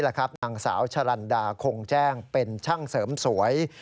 นางสาวชะลันดาคงแจ้งเป็นช่างเสริมสวย